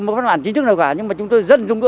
một văn bản chính thức nào cả nhưng mà chúng tôi rất